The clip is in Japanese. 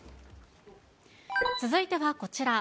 続いてはこちら。